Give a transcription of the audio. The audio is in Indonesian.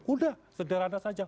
sudah sederhana saja